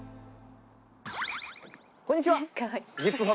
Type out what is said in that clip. こんにちは！